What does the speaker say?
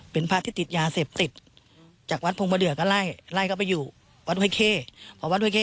เป็นพระที่ติดยาเสพติดจากวัดพงศ์บ่าเดือก็ไล่ไล่ก็ไปอยู่วัดไวเค